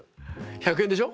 １００円でしょ？